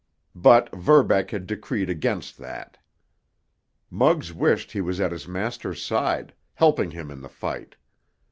But Verbeck had decreed against that. Muggs wished he was at his master's side, helping him in the fight.